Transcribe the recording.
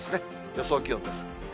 予想気温です。